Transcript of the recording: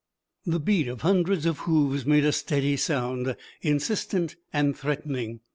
The beat of hundreds of hoofs made a steady sound, insistent and threatening.